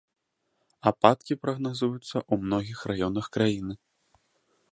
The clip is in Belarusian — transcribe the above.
Ападкі прагназуюцца ў многіх раёнах краіны.